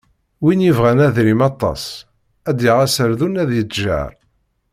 Win yebɣan adrim aṭas, ad yaɣ aserdun ad yettjeṛ.